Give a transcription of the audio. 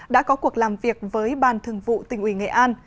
đã có cuộc làm việc với ban thường vụ tỉnh ủy nghệ an